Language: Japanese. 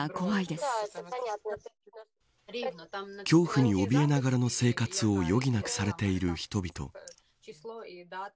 恐怖におびえながらの生活を余儀なくされている人々。